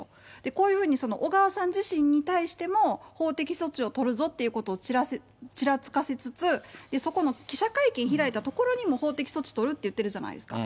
こういうふうに小川さん自身に対しても、法的措置を取るぞっていうことをちらつかせつつ、そこの記者会見開いた所にも法的措置取るって言ってるじゃないですか。